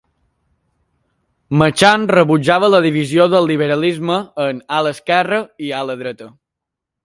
Machan rebutjava la divisió del liberalisme en "ala esquerra" i "ala dreta".